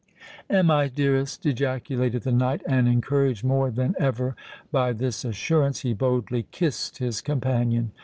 "Am I, dearest!" ejaculated the knight; and, encouraged more than ever by this assurance, he boldly kissed his companion.